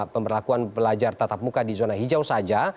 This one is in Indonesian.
pembelajaran pelajar tatap muka di zona hijau saja